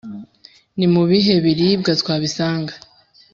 ni mu bihe biribwa twabisanga?